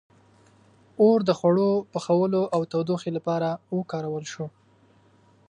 • اور د خوړو پخولو او تودوخې لپاره وکارول شو.